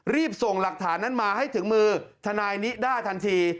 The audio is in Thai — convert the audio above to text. รีบส่งหลักฐานนั้นมาให้ถึงมือทนายนิด้าทันที